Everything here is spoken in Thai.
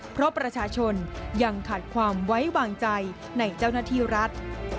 เพราะประชาชนยังขาดความไว้วางใจในเจ้าหน้าที่รัฐ